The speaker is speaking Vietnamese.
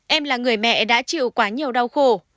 em là người mẹ đã chịu quá nhiều đau khổ